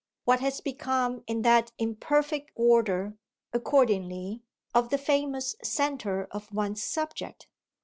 What has become in that imperfect order, accordingly, of the famous centre of one's subject?